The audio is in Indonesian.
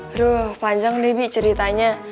aduh panjang nih bi ceritanya